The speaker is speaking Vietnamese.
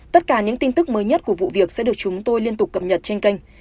tất cả những tin tức mới nhất của vụ việc sẽ được chúng tôi liên tục cập nhật trên kênh